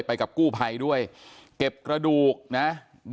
ไปกับกู้ภัยด้วยเก็บกระดูกนะ